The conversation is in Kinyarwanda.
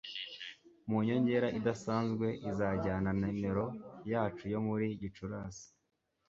mu nyongera idasanzwe izajyana nimero yacu yo muri gicurasi